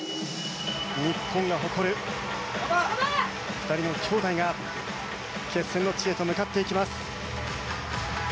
日本が誇る２人の姉弟が決戦の地へと向かっていきます。